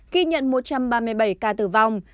ghi nhận một trăm ba mươi bảy ca tử vong